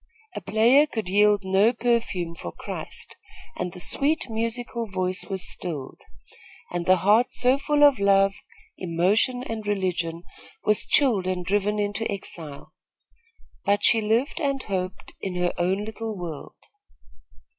A player could yield no perfume for Christ, and the sweet, musical voice was stilled, and the heart so full of love, emotion and religion was chilled and driven into exile; but she lived and hoped in her own little world.